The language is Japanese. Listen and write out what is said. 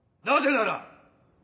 なぜなら！